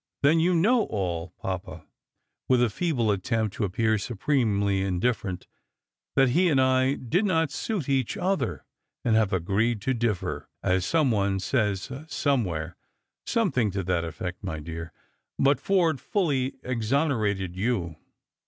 " Then you know all, papa," with a feeble attempt to appear supremely indifferent ;" that he and I did not suit each other, and have agreed to differ, as some one says somewhere." " Something to that effect, my dear. But Forde fully exone rated you.